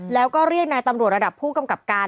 แล้วก็เรียกนายตำรวจระดับผู้กำกับการ